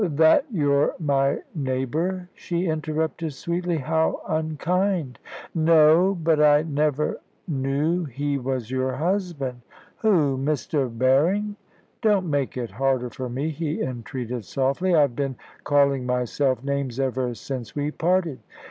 "That you're my neighbour?" she interrupted sweetly. "How unkind!" "No! But I never knew he was your husband." "Who? Mr. Berring?" "Don't make it harder for me," he entreated softly. "I've been calling myself names ever since we parted."